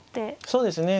そうですね。